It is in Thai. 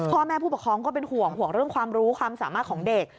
พ่อแม่ผู้ปกครองก็เป็นห่วงห่วงเรื่องความรู้ความสามารถของเด็ก